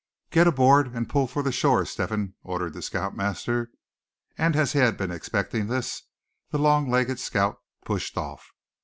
"Get aboard, and pull for the shore, Step hen," ordered the scout master; and as he had been expecting this, the long legged scout pushed off.